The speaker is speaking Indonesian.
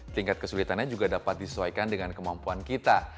tingkat kesulitannya juga dapat disesuaikan dengan kemampuan kita